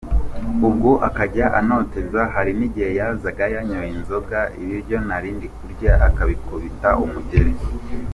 Ubwo akajya antoteza, hari n’igihe yazaga yanyoye inzoga, ibiryo narindi kurya akabikubita umugeri.